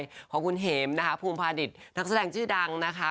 พบกับคุณเห็มภูมิพาณฤทธิ์นักแสดงชื่อดังนะคะ